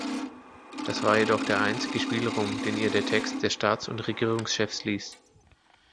Das war jedoch der einzige Spielraum, den ihr der Text der Staats- und Regierungschefs ließ.